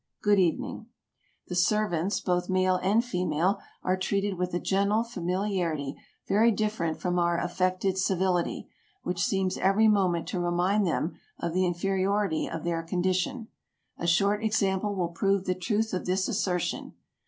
Good evening !" The servants, both male and female, are treated with a gentle familiarity very different from our affected civility, which seems every moment to remind them of the inferi ority of their condition. A short example will prove the truth of this assertion.